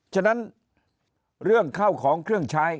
ฉะนั้นเรื่องเข้าของเครื่องใช้